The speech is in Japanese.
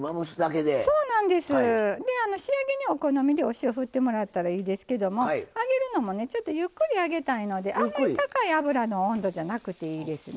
で仕上げにお好みでお塩振ってもらったらいいですけども揚げるのもねちょっとゆっくり揚げたいのであんまり高い油の温度じゃなくていいですね。